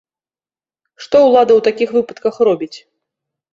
Што ўлада ў такіх выпадках робіць?